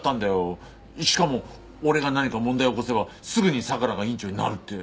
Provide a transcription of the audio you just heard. しかも俺が何か問題を起こせばすぐに相良が院長になるって。